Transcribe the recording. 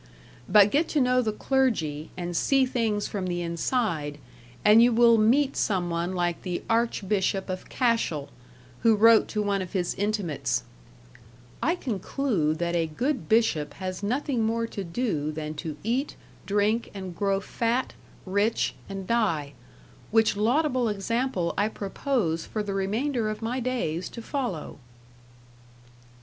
But get to know the clergy, and see things from the inside, and you will meet some one like the Archbishop of Cashell, who wrote to one of his intimates: I conclude that a good bishop has nothing more to do than to eat, drink and grow fat, rich and die; which laudable example I propose for the remainder of my days to follow.